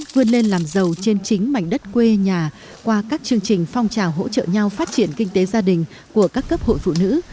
vươn lên làm giàu trên chính mảnh đất quê nhà qua các chương trình phong trào hỗ trợ nhau phát triển kinh tế gia đình của các cấp hội phụ nữ